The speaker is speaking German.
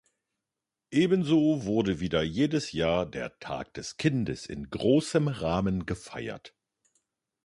Ebenso wurde wieder jedes Jahr der Tag des Kindes in großem Rahmen gefeiert.